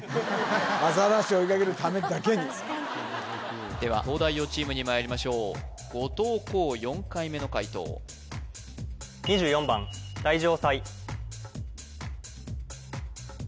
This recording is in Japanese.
アザラシを追いかけるためだけに・確かにでは東大王チームにまいりましょう後藤弘４回目の解答２４番だいじょうさい